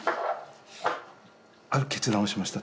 ある決断をしました。